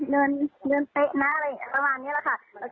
เดินเป๊ะนะอะไรอย่างนี้ประมาณนี้แหละค่ะ